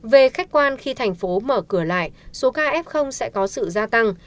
về khách quan khi thành phố mở cửa lại số ca f sẽ có sự gia tăng